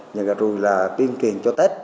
nhưng rồi là tuyên truyền cho tết